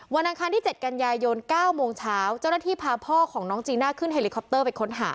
อังคารที่๗กันยายน๙โมงเช้าเจ้าหน้าที่พาพ่อของน้องจีน่าขึ้นเฮลิคอปเตอร์ไปค้นหา